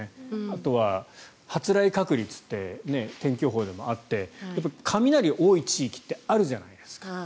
あとは、発雷確率って天気予報でもあって雷、多い地域ってあるじゃないですか。